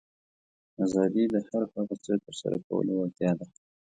آزادي د هر هغه څه ترسره کولو وړتیا ده.